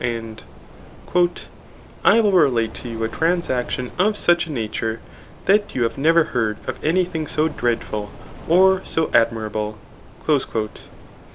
'' And, ^* I will relate to you a transaction of such a nature, that you havje never heard of any thing so dreadful, or so admirable.''